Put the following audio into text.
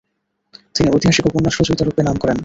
তিনি ঐতিহাসিক উপন্যাস রচয়িতা রূপে নাম করেন।